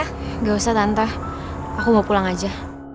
tidak usah tante aku mau pulang aja